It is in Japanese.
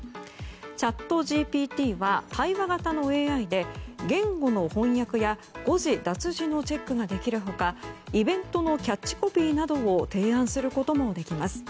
チャットＧＰＴは対話型のＡＩで言語の翻訳や誤字脱字のチェックができる他イベントのキャッチコピーなどを提案することもできます。